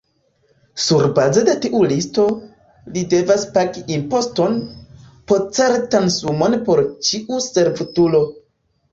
Surbaze de tiu listo, li devas pagi imposton, po certan sumon por ĉiu servutulo.